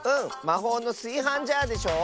まほうのすいはんジャーでしょ？